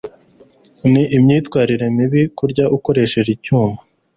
Ni imyitwarire mibi kurya ukoresheje icyuma.